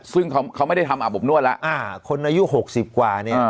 ซึ่งเขาเขาไม่ได้ทำอาบอบนวดแล้วอ่าคนอายุหกสิบกว่านี้อ่า